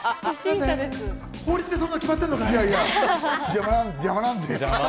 法律でそんなの決まってるの邪魔なんで。